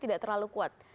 tidak terlalu kuat